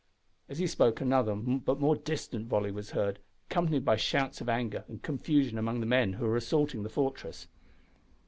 As he spoke another, but more distant, volley was heard, accompanied by shouts of anger and confusion among the men who were assaulting the fortress.